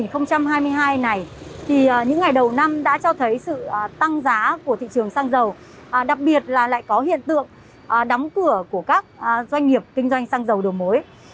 năm hai nghìn hai mươi hai này thì những ngày đầu năm đã cho thấy sự tăng giá của thị trường xăng dầu đặc biệt là lại có hiện tượng đóng cửa của các doanh nghiệp kinh doanh xăng dầu đồ mối